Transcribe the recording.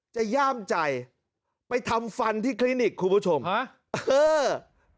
ย่ามใจไปทำฟันที่คลินิกคุณผู้ชมฮะเออ